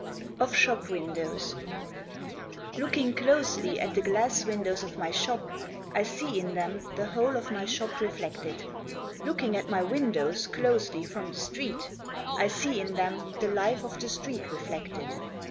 Of Shop Windows Looking closely at the glass windows of my shop, I see in them the whole of my shop reflected. Looking at my windows closely from the street, I see in them the life of the street reflected.